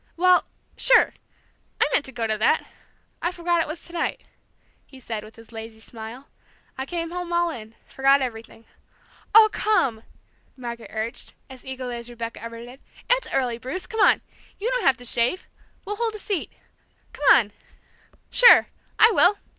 "Well sure! I meant to go to that. I forgot it was to night," he said, with his lazy smile. "I came home all in, forgot everything." "Oh, come!" Margaret urged, as eagerly as Rebecca ever did. "It's early, Bruce, come on! You don't have to shave! We'll hold a seat, come on!" "Sure, I will!"